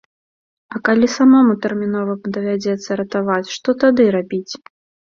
А калі самому тэрмінова давядзецца ратавацца, што тады рабіць?